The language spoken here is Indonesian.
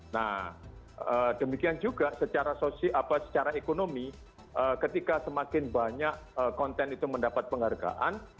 nah demikian juga secara ekonomi ketika semakin banyak konten itu mendapat penghargaan